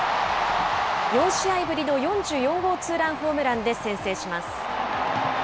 ４試合ぶりの４４号ツーランホームランで先制します。